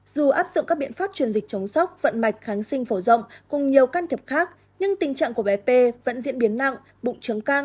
dù áp dụng các biện pháp truyền dịch chống sốc vận mạch kháng sinh phổ rộng cùng nhiều can thiệp khác nhưng tình trạng của bé p vẫn diễn biến nặng bụng trứng cang